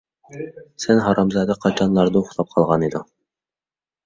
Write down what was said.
سەن ھارامزادە قاچانلاردا ئۇخلاپ قالغانىدىڭ؟